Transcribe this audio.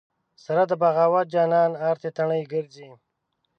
سره د بغاوت جانانه ارتې تڼۍ ګرځې